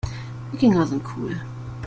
Wikinger sind cool.